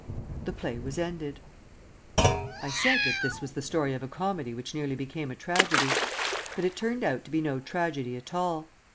_" The play was ended. ..... I said that this was the story of a comedy which nearly became a tragedy. But it turned out to be no tragedy at all.